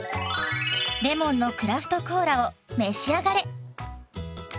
レモンのクラフトコーラを召し上がれ。